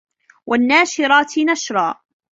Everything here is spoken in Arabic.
وَالنّاشِراتِ نَشرًا